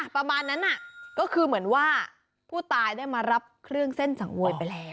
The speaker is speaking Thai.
ประมาณนั้นก็คือเหมือนว่าผู้ตายได้มารับเครื่องเส้นสังเวยไปแล้ว